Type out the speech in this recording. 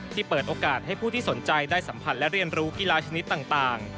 เปิดโอกาสให้ผู้ที่สนใจได้สัมผัสและเรียนรู้กีฬาชนิดต่าง